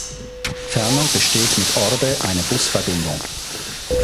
Ferner besteht mit Orbe eine Busverbindung.